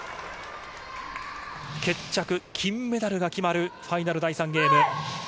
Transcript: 決着、金メダルが決まるファイナル、第３ゲーム。